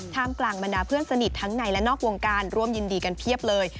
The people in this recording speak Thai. กลางบรรดาเพื่อนสนิททั้งในและนอกวงการร่วมยินดีกันเพียบเลย